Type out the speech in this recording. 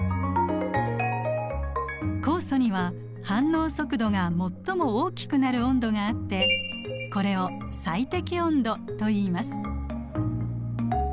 酵素には反応速度が最も大きくなる温度があってこれを最適温度といいます。